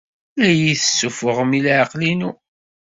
La iyi-tessuffuɣem i leɛqel-inu.